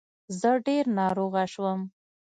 زه ډير ناروغه شوم